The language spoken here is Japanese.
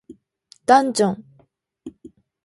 ダンジョン